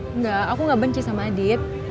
enggak aku gak benci sama adit